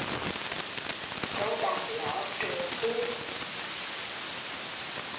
Trâu đạp ló trựa cươi